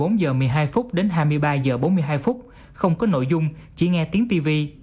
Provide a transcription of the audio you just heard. trong thời gian gọi trung tâm có nhận được cụ gọi từ một giây đến hai mươi ba h bốn mươi hai không có nội dung chỉ nghe tiếng tv